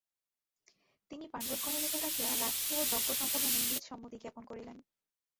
তিনি পাণ্ডবগণের নিকট আসিয়া রাজসূয় যজ্ঞ সম্পাদনে নিজ সম্মতি জ্ঞাপন করিলেন।